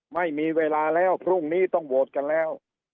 ไม่มีเวลาแล้วพรุ่งนี้ต้องโหวตกันแล้ว